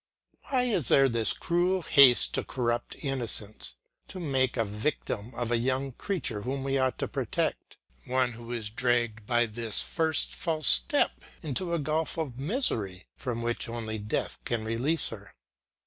Why is there this cruel haste to corrupt innocence, to make, a victim of a young creature whom we ought to protect, one who is dragged by this first false step into a gulf of misery from which only death can release her?